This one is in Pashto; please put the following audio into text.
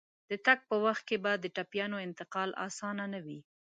د تګ په وخت کې به د ټپيانو انتقال اسانه نه وي.